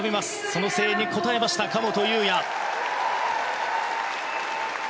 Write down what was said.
その声援に応えました神本雄也。